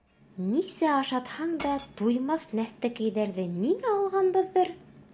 Нисә ашатһаң да, туймаҫ нәҫтәкәйҙәрҙе ниңә алғанбыҙҙыр?